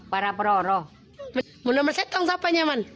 biar santai kita lihat lagi yuk cuplikannya simbah